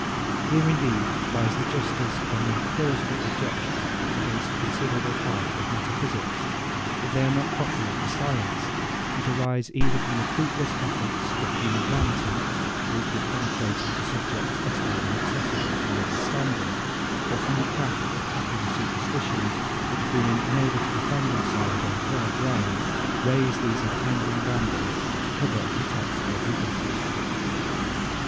Here indeed lies the justest and most plausible objection against a considerable part of metaphysics, that they are not properly a science; but arise either from the fruitless efforts of human vanity, which would penetrate into subjects utterly inaccessible to the understanding, or from the craft of popular superstitions, which, being unable to defend themselves on fair ground, raise these intangling brambles to cover and protect their weakness.